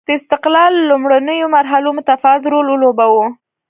د استقلال لومړنیو مرحلو متفاوت رول ولوباوه.